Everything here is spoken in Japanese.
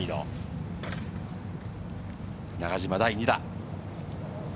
中島の第２打。